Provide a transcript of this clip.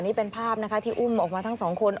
นี่เป็นภาพที่อุ้มออกมาทั้ง๒คน